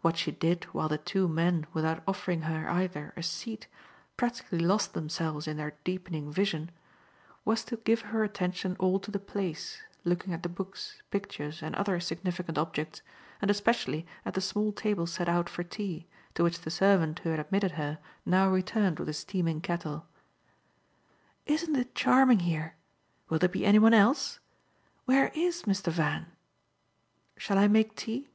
What she did while the two men, without offering her, either, a seat, practically lost themselves in their deepening vision, was to give her attention all to the place, looking at the books, pictures and other significant objects, and especially at the small table set out for tea, to which the servant who had admitted her now returned with a steaming kettle. "Isn't it charming here? Will there be any one else? Where IS Mr. Van? Shall I make tea?"